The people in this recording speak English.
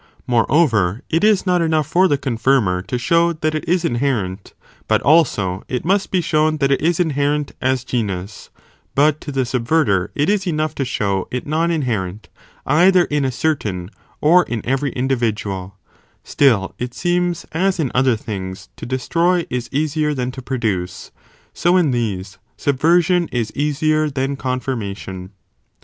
Moreover, it is not enough, for the confirmer + Of words. > "ιν + CHAP. V. | THE TOPICS. 511 to show that it is inherent, but alsoit must be shown that it is inherent, as genus; but to the subverter it is enough to show it non inherent, either in a certain or in every individual: atill it seems, as in other things, to destroy, is easier than to produce, so in these, subversion, is easier than confirmation.